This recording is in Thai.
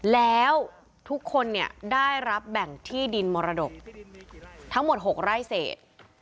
แล้วทุกคนเนี่ยได้รับแบ่งที่ดินมรดกทั้งหมด๖ไร่เศษ